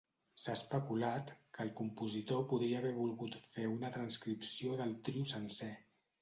S'ha especulat que el compositor podria haver volgut fer una transcripció del trio sencer.